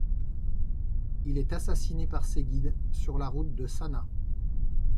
Il est assassiné par ses guides sur la route de Sanaa.